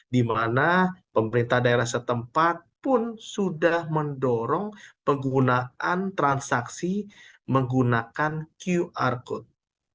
di mana pemerintah daerah setempat pun sudah mendorong penggunaan transaksi menggunakan qr code